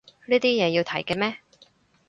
呢啲嘢要提嘅咩